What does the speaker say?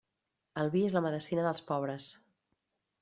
El vi és la medecina dels pobres.